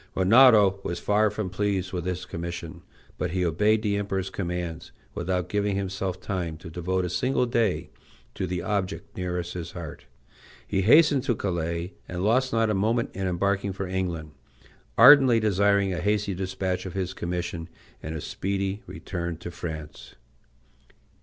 Rinaldo was far from pleased with his commission, but he obeyed the Emperor's commands, without giving himself time to devote a single day to the object nearest his heart. He hastened to Calais, and lost not a moment in embarking for England, ardently desiring a hasty despatch of his commission, and a speedy return to France.